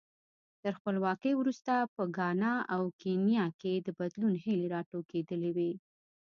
تر خپلواکۍ وروسته په ګانا او کینیا کې د بدلون هیلې راټوکېدلې وې.